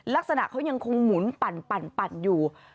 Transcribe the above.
ลักษณะเขายังคงหมุนปั่นอยู่